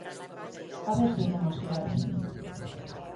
A ver se o temos claro.